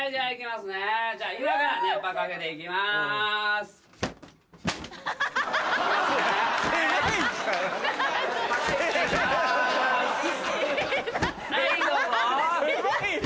すごいよ。